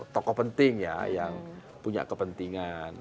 tokoh penting ya yang punya kepentingan